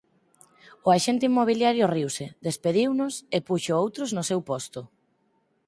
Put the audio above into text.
O axente inmobiliario riuse, despediunos e puxo outros no seu posto.